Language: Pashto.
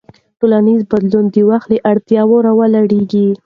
ټولنیز بدلون د وخت له اړتیاوو راولاړېږي.